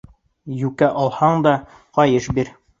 Йүкә алһаң да, ҡайыш бир.